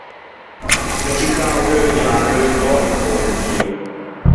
M’é ciù cao deuviâ l’euio d’öiva che o butiro.